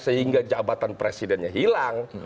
sehingga jabatan presidennya hilang